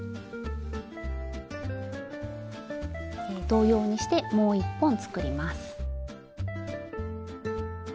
同様にしてもう一本作ります。